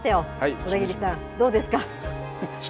小田切さん、どうですか？